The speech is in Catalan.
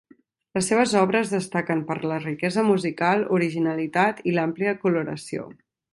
Les seves obres destaquen per la riquesa musical, originalitat i l'àmplia coloració.